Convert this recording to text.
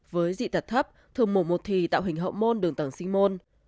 với dị tật thấp thường mổ một thì tạo hình hậu môn đường tầng sinh môn